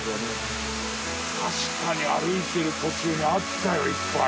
確かに歩いてる途中にあったよいっぱい。